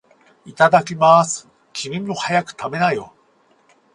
いただきまーす。君も、早く食べなよ。